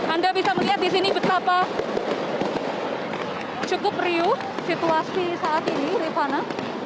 anda bisa melihat di sini betapa cukup riuh situasi saat ini rifana